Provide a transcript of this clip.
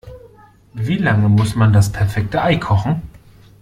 Wie lange muss man das perfekte Ei kochen?